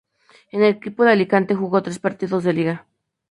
En el equipo de Alicante jugó tres partidos de liga.